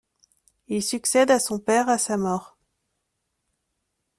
Il succède à son père à sa mort.